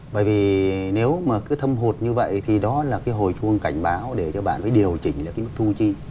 bởi vì nếu mà cứ thâm hụt như vậy thì đó là hồi chuông cảnh báo để cho bạn phải điều chỉnh mức thu chi